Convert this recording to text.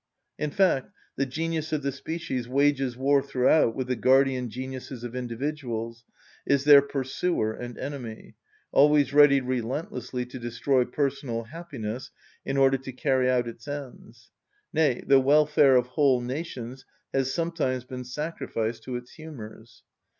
In fact, the genius of the species wages war throughout with the guardian geniuses of individuals, is their pursuer and enemy, always ready relentlessly to destroy personal happiness in order to carry out its ends; nay, the welfare of whole nations has sometimes been sacrificed to its humours.